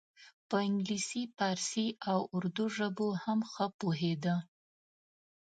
په انګلیسي پارسي او اردو ژبو هم ښه پوهیده.